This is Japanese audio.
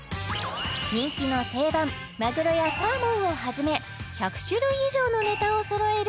人気の定番まぐろやサーモンをはじめ１００種類以上のネタをそろえる